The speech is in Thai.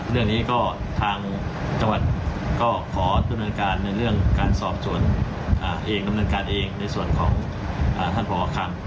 เรื่องนี้ก็ทางจังหวัดก็ขอดำเนินการในเรื่องการสอบสวนเองดำเนินการเองในส่วนของท่านผอคัม